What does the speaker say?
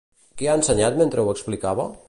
Què ha ensenyat mentre ho explicava?